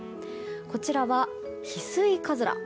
こちらは、ヒスイカズラ。